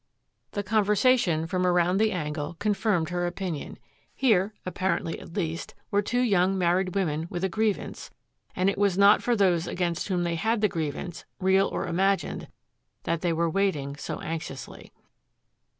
The conversation from around the angle confirmed her opinion. Here, apparently at least, were two young married women with a grievance, and it was not for those against whom they had the grievance, real or imagined, that they were waiting so anxiously.